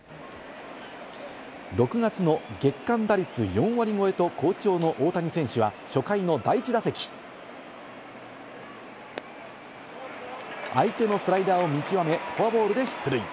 ６月の月間打率４割超えと好調の大谷選手は初回の第１打席、相手のスライダーを見極め、フォアボールで出塁。